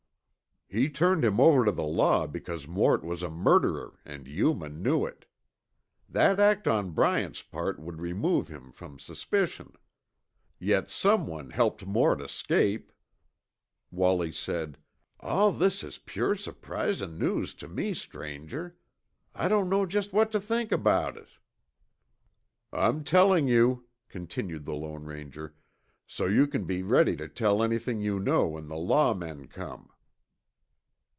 "He turned him over to the law, because Mort was a murderer and Yuma knew it. That act on Bryant's part would remove him from suspicion. Yet someone helped Mort escape!" Wallie said, "All this is sure surprisin' news to me, stranger. I don't know just what to think about it." "I'm telling you," continued the Lone Ranger, "so you can be ready to tell anything you know when the law men come."